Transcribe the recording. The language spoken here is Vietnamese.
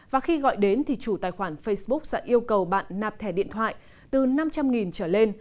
và khi gọi đến thì chủ tài khoản facebook sẽ yêu cầu bạn nạp thẻ điện thoại từ năm trăm linh trở lên